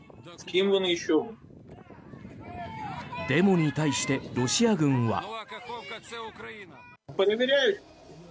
デモに対してロシア軍は。